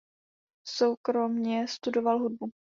Soukromě studoval hudbu.